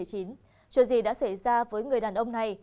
sự gì đã xảy ra với người đàn ông này